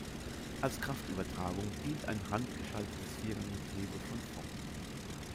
Als Kraftübertragung dient ein handgeschaltetes Vierganggetriebe von Ford.